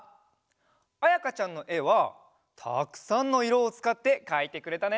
あやかちゃんのえはたくさんのいろをつかってかいてくれたね！